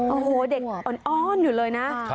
โอ้โหเด็กอ้อนอยู่เลยนะ